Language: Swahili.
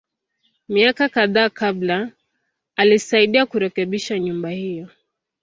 Miaka kadhaa kabla, alisaidia kurekebisha nyumba hiyo.